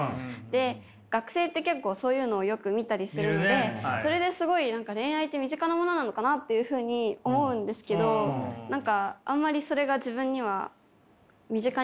で学生って結構そういうのをよく見たりするのでそれですごい恋愛って身近なものなのかなっていうふうに思うんですけど何かあんまりそれが自分には身近に感じられない。